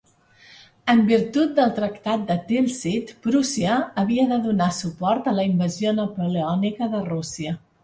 En virtut del Tractat de Tilsit, Prússia havia de donar suport a la invasió napoleònica de Rússia.